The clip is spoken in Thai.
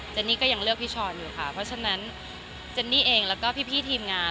นี่ก็ยังเลือกพี่ช้อนอยู่ค่ะเพราะฉะนั้นเจนนี่เองแล้วก็พี่ทีมงาน